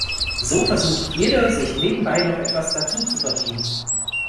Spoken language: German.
So versucht jeder, sich nebenbei noch etwas dazuzuverdienen.